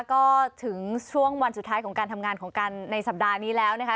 ก็ถึงช่วงวันสุดท้ายของการทำงานของกันในสัปดาห์นี้แล้วนะคะ